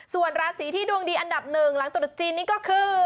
ส่วนราศีที่ดวงดีอันดับหนึ่งหลังตรุษจีนนี้ก็คือ